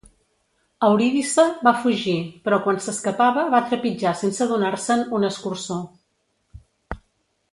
Eurídice va fugir, però quan s'escapava va trepitjar sense adonar-se'n un escurçó.